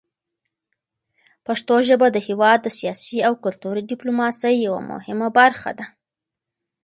پښتو ژبه د هېواد د سیاسي او کلتوري ډیپلوماسۍ یوه مهمه برخه ده.